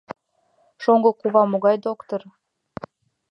Шоҥго кува могай доктыр!